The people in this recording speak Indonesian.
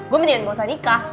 gue benerin gak usah nikah